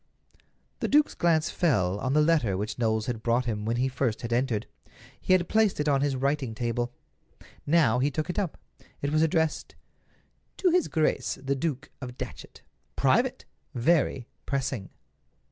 The duke's glance fell on the letter which Knowles had brought him when he first had entered. He had placed it on his writing table. Now he took it up. It was addressed: "To His Grace the Duke of Datchet. Private! VERY PRESSING!!!"